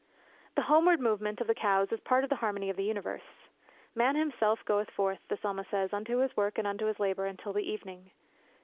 The homeward movement of the cows is part of the harmony of the universe. Man himself goeth forth, the psalmist says, unto his work and to his labour until the evening.